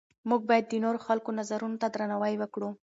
موږ باید د نورو خلکو نظرونو ته درناوی وکړو.